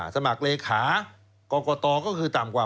สมัครเลขากรกตก็คือต่ำกว่า